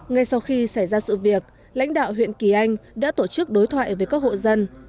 ngay sau khi xảy ra sự việc lãnh đạo huyện kỳ anh đã tổ chức đối thoại với các hộ dân